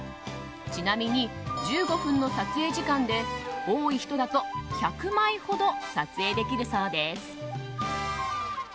ちなみに１５分の撮影時間で多い人だと１００枚ほど撮影できるそうです。